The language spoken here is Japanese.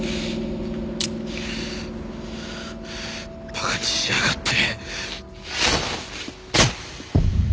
バカにしやがって。